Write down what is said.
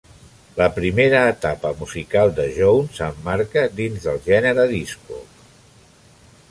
La primera etapa musical de Jones s'emmarca dins del gènere disco.